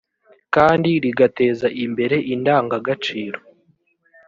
kandi rigateza imbere indangagaciro